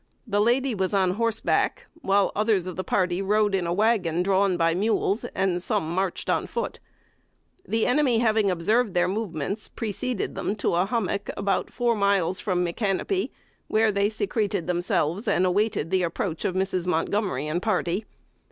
The lady was on horseback, while others of the party rode in a wagon drawn by mules, and some marched on foot. The enemy having observed their movements, preceded them to a hommock, about four miles from Micanopy, where they secreted themselves, and awaited the approach of Mrs. Montgomery and party.